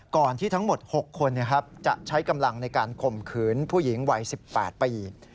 ที่ทั้งหมด๖คนจะใช้กำลังในการข่มขืนผู้หญิงวัย๑๘ปี